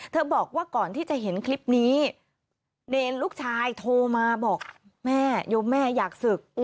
บอกว่าก่อนที่จะเห็นคลิปนี้เนรลูกชายโทรมาบอกแม่ยมแม่อยากศึก